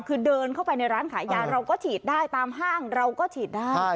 คือเดินเข้าไปในร้านขายยาเราก็ฉีดได้ตามห้างเราก็ฉีดได้